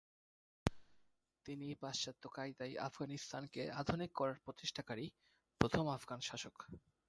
তিনি পাশ্চাত্য কায়দায় আফগানিস্তানকে আধুনিক করার প্রচেষ্টাকারী প্রথম আফগান শাসক।